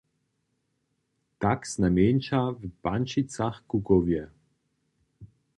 Tak znajmjeńša w Pančicach-Kukowje.